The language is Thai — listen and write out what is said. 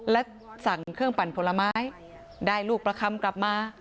และสั่งเครื่องปั่นผลไม้ได้ลูกประคำกลับมา